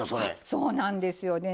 そうなんですよね。